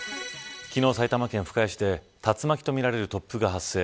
昨日、埼玉県深谷市で竜巻とみられる突風が発生。